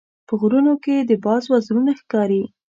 په غرونو کې د باز وزرونه ښکاري.